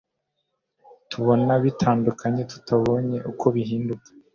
Turabona bitandukanye tutabonye ko bihinduka